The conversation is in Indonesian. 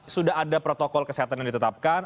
sudah ada protokol kesehatan yang ditetapkan